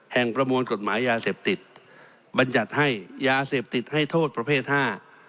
ประมวลกฎหมายยาเสพติดบรรยัติให้ยาเสพติดให้โทษประเภทห้า